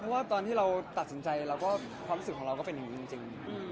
เพราะว่าตอนที่เราตัดสินใจแล้วก็ความรู้สึกของเราก็เป็นอย่างนี้จริง